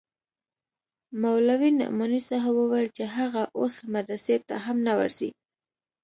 مولوي نعماني صاحب وويل چې هغه اوس مدرسې ته هم نه ورځي.